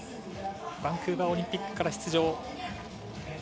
バンクーバーオリンピックから出場。